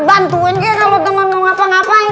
bantuin kan kalau temen ngapa ngapain